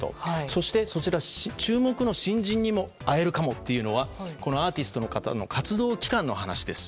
そして、注目の新人にも会えるかもというのはこのアーティストの方の活動期間の話です。